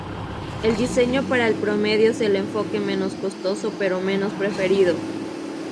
El diseño para el promedio es el enfoque menos costoso pero menos preferido.